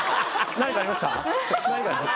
何かありました？